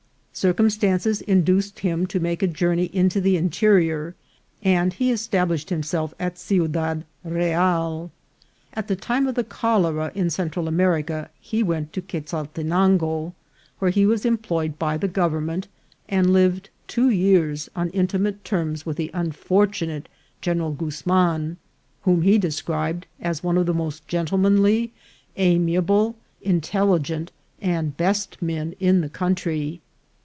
Circumstances induced him to make a journey into the interior, and he established himself at Ciudad Real. At the time of the cholera in Central America he went to Quezaltenango, where he was employed by the government, and lived two years on intimate terms with the unfortunate General Guzman, whom he de scribed as one of the most gentlemanly, amiable, intel ligent, and best men in the country.